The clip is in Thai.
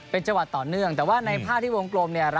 เป็นจังหวัดต่อเนื่องแต่ว่าในภาพที่วงกลมเนี่ย